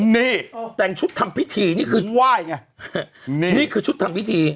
นี่นี่คือชุดทำพิธี